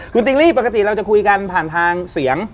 คุณติ๊งลี่ปกติเราจะคุยกันผ่านทางเสียง